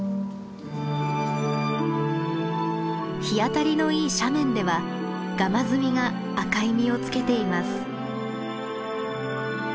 日当たりのいい斜面ではガマズミが赤い実をつけています。